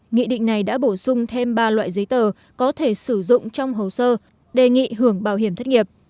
nghị định này đã bổ sung thêm ba loại giấy tờ có thể sử dụng trong hồ sơ đề nghị hưởng bảo hiểm thất nghiệp